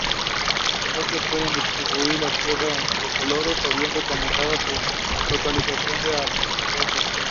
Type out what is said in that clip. Estos pueden distribuir la tierra entre colonos o bien encomendar su colonización a aristócratas.